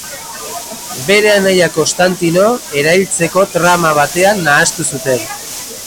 Bere anaia Konstantino erailtzeko trama batean nahastu zuten.